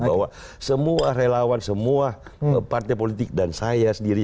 bahwa semua relawan semua partai politik dan saya sendiri